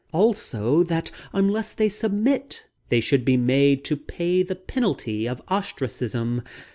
Also, that unless they submit they should be made to pay the penalty of ostracism.